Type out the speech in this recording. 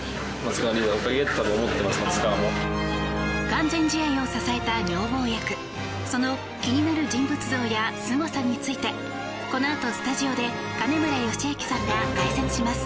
完全試合を支えた女房役その気になる人物像やすごさについてこのあとスタジオで金村義明さんが解説します。